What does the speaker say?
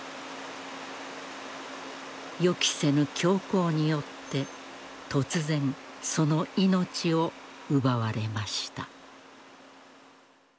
予期せぬ凶行によって突然、その命を奪われました。